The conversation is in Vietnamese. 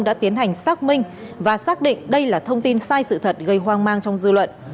đã tiến hành xác minh và xác định đây là thông tin sai sự thật gây hoang mang trong dư luận